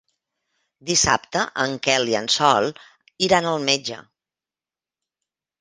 Dissabte en Quel i en Sol iran al metge.